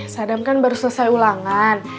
sadam kan baru selesai ulangan